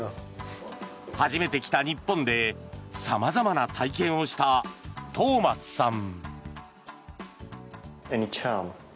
初めて来た日本で様々な体験をしたトーマスさん。